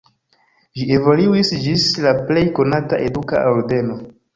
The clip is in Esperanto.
Ĝi evoluis ĝis la plej konata eduka ordeno.